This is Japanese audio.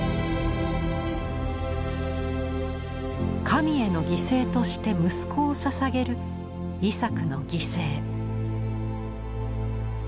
神への犠牲として息子を捧げる「イサクの犠牲」。